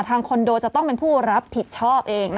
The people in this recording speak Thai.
คอนโดจะต้องเป็นผู้รับผิดชอบเอง